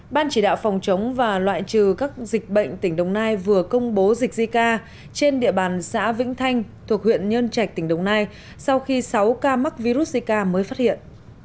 ban chỉ đạo phòng chống và loại trừ các dịch bệnh tỉnh đồng nai vừa công bố dịch zika trên địa bàn xã vĩnh thanh thuộc huyện nhân trạch tỉnh đồng nai sau khi sáu ca mắc virus zika mới phát hiện